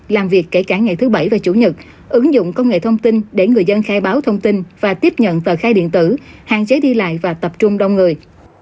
làm việc kể cả ngày thứ bảy và chủ nhật ứng dụng công nghệ thông tin để người dân khai báo thông tin và tiếp nhận tờ khai điện tử hạn chế đi lại và tập trung đông người